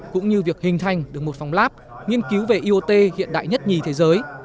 cũng như việc hình thành được một phòng lab nghiên cứu về iot hiện đại nhất nhì thế giới